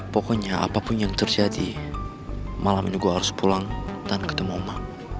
pokoknya apapun yang terjadi malam ini gue harus pulang dan ketemu oma